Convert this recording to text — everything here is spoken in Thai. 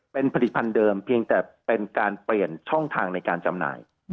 เป็นผลิตภัณฑ์เดิมเพียงแต่เป็นการเปลี่ยนช่องทางในการจำหน่าย